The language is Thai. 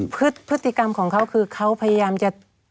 พฤติกรรมของเขาคือเขาพยายามจะ